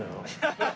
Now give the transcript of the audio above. ハハハハ！